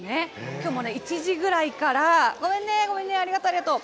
きょうも１時ぐらいから、ごめんね、ごめんね、ありがとう、ありがとう。